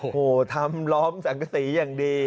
โหทำรอบสั่งสีอย่างดี